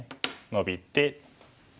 ノビて。